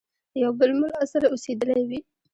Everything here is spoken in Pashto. یو بل مُلا سره اوسېدلی وي.